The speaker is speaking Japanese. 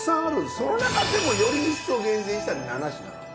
その中でもより一層厳選した７品。